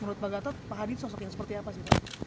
menurut pak gatot pak hadi itu sosoknya seperti apa sih pak